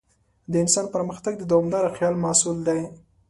د انسان پرمختګ د دوامداره خیال محصول دی.